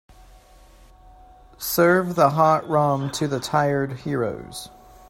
Serve the hot rum to the tired heroes.